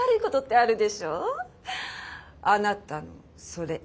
あなたのそれ。